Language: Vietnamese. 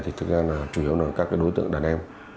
thì thực ra là chủ yếu là các đối tượng đàn em